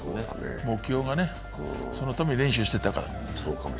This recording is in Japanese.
目標がね、そのために練習してたから。